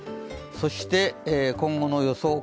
そして今後の予想